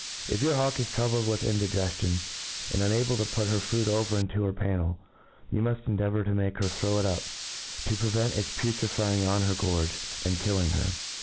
If your hawk is troubled with indigcftiori,* and unable to put her food over into her parnid^i you muft endeavour to make lier throw it up^ to prevent its putrifying on her gorge, and kill ing her.